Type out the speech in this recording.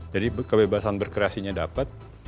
jadi kebebasan berkreasinya dapat